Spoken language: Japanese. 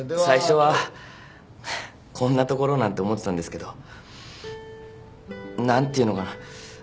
最初はこんなところなんて思ってたんですけど何ていうのかな